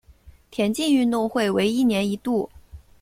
田径运动会为一年一度。